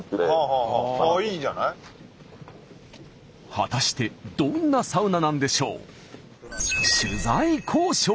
果たしてどんなサウナなんでしょう？